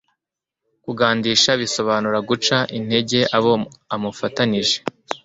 Kugandisha bisobanura guca integer abo amufatantije